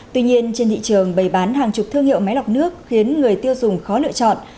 tuy nhiên trên thị trường bày bán hàng chục thương hiệu máy lọc nước khiến người tiêu dùng khó lựa chọn